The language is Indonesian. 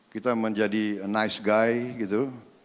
kita menjadi nice guy gitu